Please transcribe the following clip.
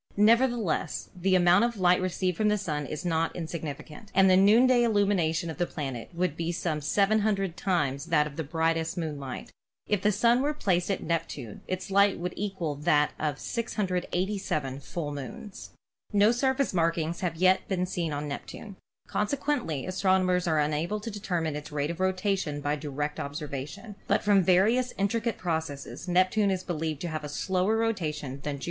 Nevertheless, the amount of light received from the Sun is not insignificant, and the noonday illumination of the planet would be some 700 times that of brightest moonlight. If the Sun were placed at Neptune, its light would equal that of 687 full moons. No surface markings have yet been seen on Neptune. Consequently astronomers are unable to determine its rate of rotation by direct observation; but from various in tricate processes Neptune is believed to have a slower rotation than Jupiter or Saturn.